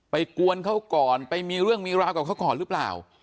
กวนเขาก่อนไปมีเรื่องมีราวกับเขาก่อนหรือเปล่า